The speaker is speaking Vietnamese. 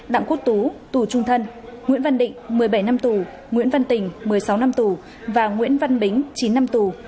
đặng quốc tú tù trung thân nguyễn văn định một mươi bảy năm tù nguyễn văn tình một mươi sáu năm tù và nguyễn văn bính chín năm tù